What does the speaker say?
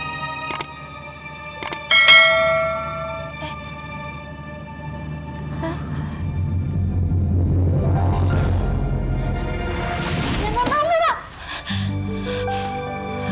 enggak enggak enggak